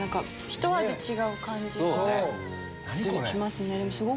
ひと味違う感じがしますね